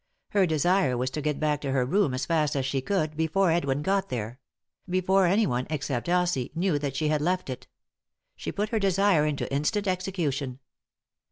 Her desire was to get back to ber room as fast as she could, before Edwin got there ; before any one, except Elsie, knew that she had left it. She put her desire into instant execution.